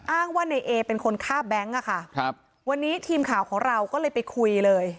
อ้างว่าในเอเป็นคนฆ่าแบงค์อะค่ะครับวันนี้ทีมข่าวของเราก็เลยไปคุยเลย